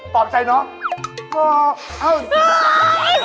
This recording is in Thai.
ปอบใจน้องเอาเอา